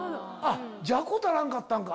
じゃこ足らんかったんか！